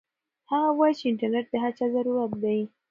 هغه وایي چې انټرنيټ د هر چا ضرورت دی.